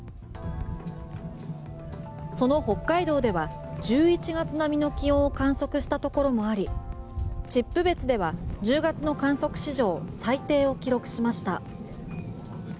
その北海道では１１月並みの気温を観測したところもあり秩父別では１０月の観測史上最低を記録しました。